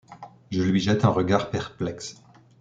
Je lui jette un regard perplexe.